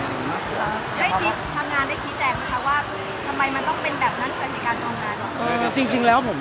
ทำไมมันต้องเป็นแบบนั้นในการงานหรอก